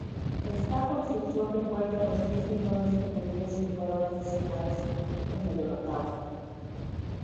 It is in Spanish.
Esta construcción recuerda los seis millones de judíos que fueron asesinados en el Holocausto.